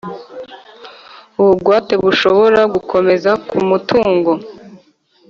Ubugwate bushobora gukomeza ku mutungo